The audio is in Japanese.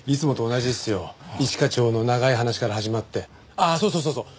ああそうそうそうそう。